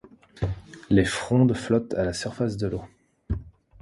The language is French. Les frondes flottent à la surface de l'eau.